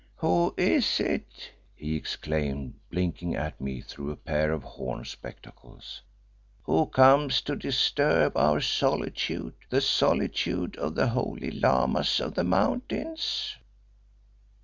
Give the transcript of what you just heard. Who is it?" he exclaimed, blinking at me through a pair of horn spectacles. "Who comes to disturb our solitude, the solitude of the holy Lamas of the Mountains?"